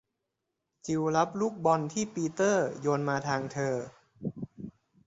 จิลรับลูกบอลที่ปีเตอร์โยนมาทางเธอ